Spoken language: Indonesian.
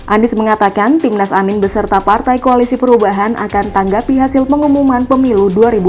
anis mengatakan tim nas aning beserta partai koalisi perubahan akan tanggapi hasil pengumuman pemilu dua ribu dua puluh empat